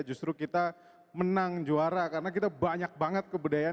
justru kita menang juara karena kita banyak banget kebudayaan